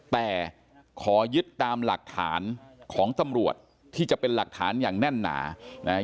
แต่ขอยึดตามหลักฐานของตำรวจที่จะเป็นหลักฐานอย่างแน่นหนานะฮะ